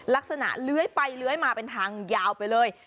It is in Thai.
เลื้อยไปเลื้อยมาเป็นทางยาวไปเลย